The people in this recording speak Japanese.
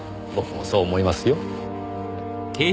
僕もそう思いますよ。